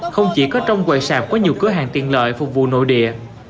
không chỉ có trong quầy sạp có nhiều cửa hàng tiện lợi phục vụ nội địa